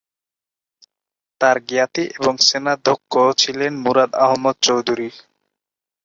তার জ্ঞাতি এবং সেনাধ্যক্ষ ছিলেন মুরাদ আহমদ চৌধুরী।